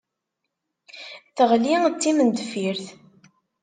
Teɣli d timendeffirt.